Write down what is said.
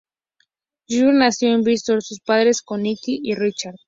Swan nació en Bristol, sus padres son Nicki y Richard.